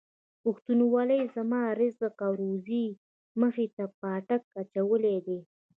پښتونولۍ زما د رزق او روزۍ مخې ته پاټک اچولی دی.